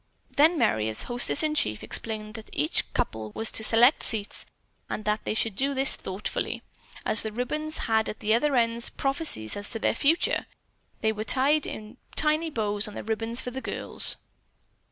Then Merry, as hostess in chief, explained that each couple was to select seats and that they should do this thoughtfully, as the ribbons had at the other ends prophecies as to their future. There were tiny bows on the ribbons for girls.